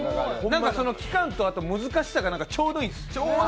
なんか、その期間とか集中力とかがちょうどいいです。